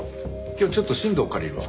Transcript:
今日ちょっと新藤借りるわ。